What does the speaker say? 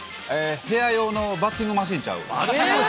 部屋用のバッティングマシンちゃう？